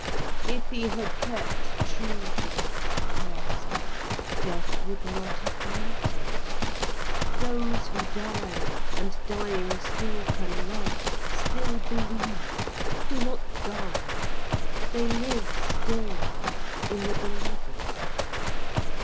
If he had kept true to that clasp, death would not have mattered. Those who die, and dying still can love, still believe, do not die. They live still in the beloved.